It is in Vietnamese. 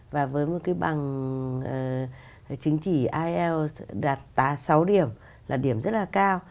và với một cái bằng chứng chỉ ielts đạt sáu điểm là điểm rất là cao